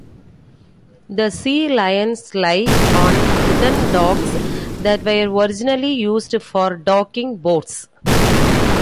The sea lions lie on wooden docks that were originally used for docking boats.